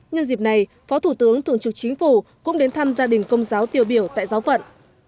nhân dịp này phó thủ tướng thường trực chính phủ cũng đến thăm gia đình công giáo tiêu biểu tại giáo phận